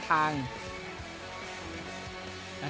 สวัสดีครับ